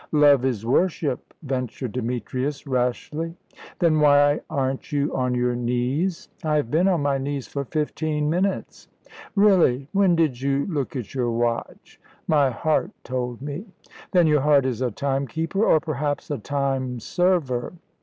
"Love is worship," ventured Demetrius, rashly. "Then why aren't you on your knees?" "I have been on my knees for fifteen minutes." "Really! When did you look at your watch?" "My heart told me." "Then your heart is a time keeper, or perhaps a time server."